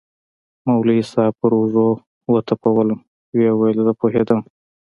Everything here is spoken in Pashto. مولوي صاحب پر اوږه وټپولوم ويې ويل زه پوهېدم.